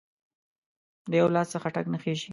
د یو لاس څخه ټک نه خیژي